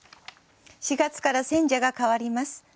４月から選者が替わります。